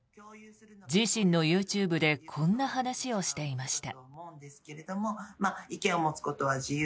自身のＹｏｕＴｕｂｅでこんな話をしていました。